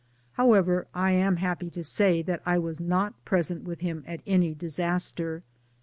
However I am happy to say that I was not present with him at any disaster.